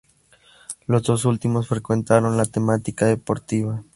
Los dos últimos frecuentaron la temática deportiva.